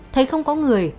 thấy không có người